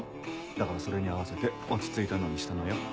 だからそれに合わせて落ち着いたのにしたのよ。